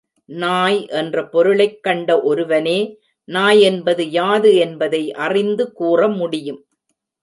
நாய் என்ற பொருளைக் கண்ட ஒருவனே, நாய் என்பது யாது என்பதை அறிந்து கூற முடியும்.